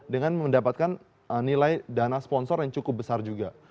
dan mereka juga mendapatkan nilai dana sponsor yang cukup besar juga